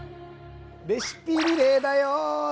レシピリレーだよ！